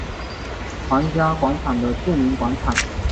皇家广场的著名广场。